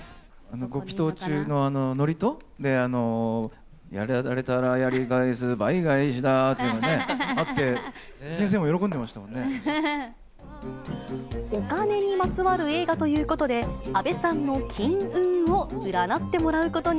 ご祈とう中の祝詞で、やられたらやり返すー、倍返しだーというのがあってね、先生も喜んでまお金にまつわる映画ということで、阿部さんの金運を占ってもらうことに。